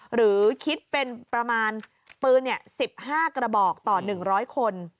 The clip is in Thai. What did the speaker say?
หรือคิดเป็นประมาณปืน๑๕กระบอกต่อ๑๐๐คน